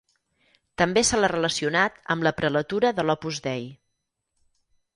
També se l'ha relacionat amb la prelatura de l'Opus Dei.